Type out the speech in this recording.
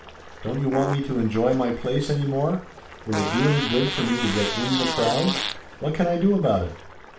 "Don't you want me to enjoy my place any more? Will it do any good for me to get in the crowd? What can I do about it?"